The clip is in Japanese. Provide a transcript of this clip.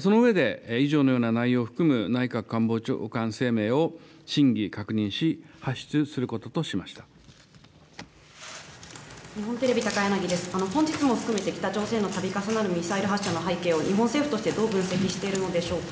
その上で、以上のような内容を含む内閣官房長官声明を審議確認し、発出する本日も含めて北朝鮮のたび重なるミサイル発射の背景を、日本政府としてどう分析しているのでしょうか。